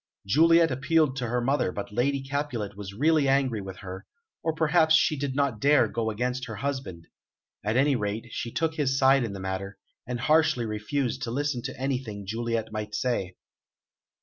Juliet appealed to her mother, but Lady Capulet was really angry with her, or perhaps she did not dare to go against her husband; at any rate, she took his side in the matter, and harshly refused to listen to anything Juliet might say.